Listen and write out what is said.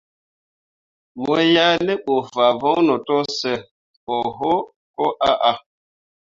Mo yah ne bu fah voŋno to sə oho koo ahah.